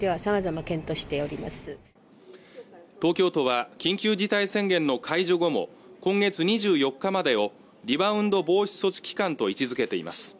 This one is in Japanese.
東京都は緊急事態宣言の解除後も今月２４日までをリバウンド防止措置期間と位置づけています